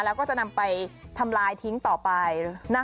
แล้วก็จะนำไปทำลายทิ้งต่อไป